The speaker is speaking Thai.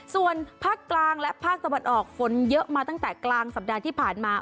ส่วนภาคกลางและภาคตะวันออกฝนเยอะมาตั้งแต่กลางสัปดาห์ที่ผ่านมา